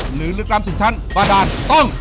หรือลึกล้ามสุขชั้นประดานต้อง